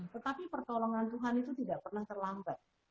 tetapi pertolongan tuhan itu tidak pernah terlambat